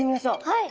はい。